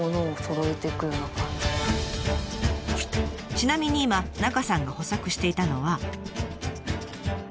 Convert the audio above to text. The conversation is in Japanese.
ちなみに今中さんが補作していたのは。